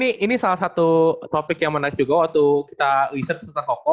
nah ini salah satu topik yang menarik juga waktu kita research serta koko